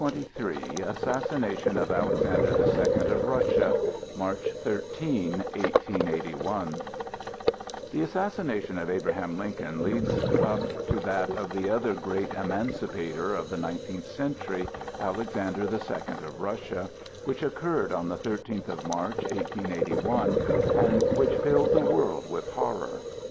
CHAPTER XXIII ASSASSINATION OF ALEXANDER THE SECOND OF RUSSIA (March 13, 1881) THE assassination of Abraham Lincoln leads up to that of the other great emancipator of the nineteenth century, Alexander the Second of Russia, which occurred on the thirteenth of March, 1881, and which filled the world with horror.